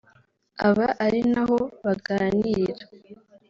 aba ari na ho baganirira